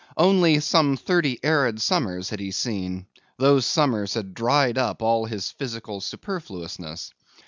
Only some thirty arid summers had he seen; those summers had dried up all his physical superfluousness.